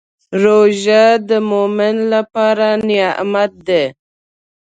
روژه د مؤمن لپاره نعمت دی.